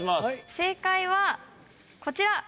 正解はこちら。